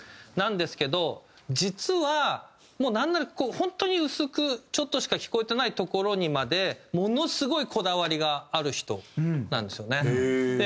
なんですけど実はなんなら本当に薄くちょっとしか聴こえてないところにまでものすごいこだわりがある人なんですよね。